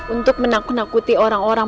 untuk menakuti orang orang